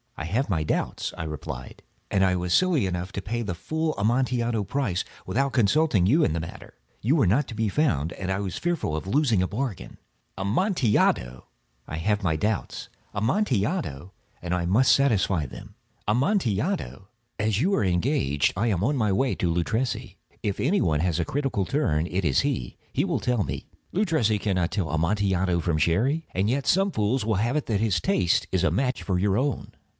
"I have my doubts," I replied; "and I was silly enough to pay the full Amontillado price without consulting you in the matter. You were not to be found, and I was fearful of losing a bargain." "Amontillado!" "I have my doubts." "Amontillado!" "And I must satisfy them." "Amontillado!" "As you are engaged, I am on my way to Luchesi. If any one has a critical turn, it is he. He will tell me—" "Luchesi cannot tell Amontillado from Sherry." "And yet some fools will have it that his taste is a match for your own."